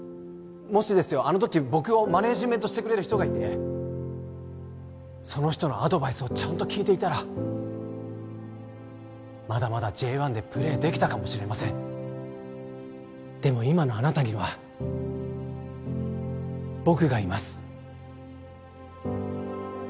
もしですよあの時僕をマネージメントしてくれる人がいてその人のアドバイスをちゃんと聞いていたらまだまだＪ１でプレーできたかもしれませんでも今のあなたには僕がいます